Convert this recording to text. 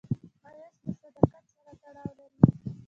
ښایست له صداقت سره تړاو لري